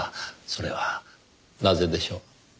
それはなぜでしょう？